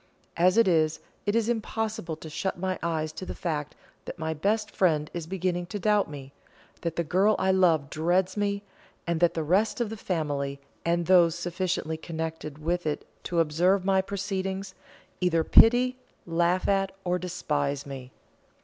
As it is, it is impossible to shut my eyes to the fact, that my best friend is beginning to doubt me that the girl I love dreads me and that the rest of the family, and those sufficiently connected with it to observe my proceedings, either pity, laugh at, or despise me.